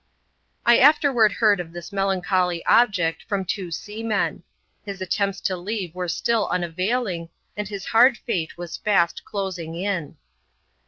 I afterward heard of this melancholy object, from two sea men. His attempts to leave were still unavailing, and his hard fate was fast closing in.